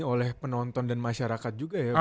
oleh penonton dan masyarakat juga ya pak